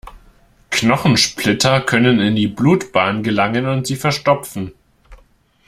Knochensplitter können in die Blutbahnen gelangen und sie verstopfen.